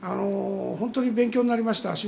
本当に勉強になりました。